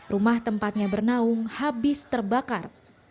rumah tempatnya bernaung habis terbakar